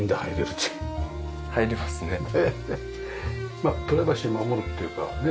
まあプライバシー守るっていうかねっ。